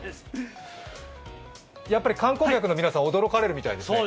やっぱり観光客の皆さん、驚かれるみたいですね？